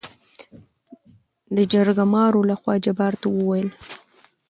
دجرګمارو لخوا جبار ته وويل: